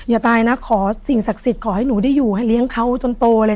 อย่าตายนะขอสิ่งศักดิ์สิทธิ์ขอให้หนูได้อยู่ให้เลี้ยงเขาจนโตเลย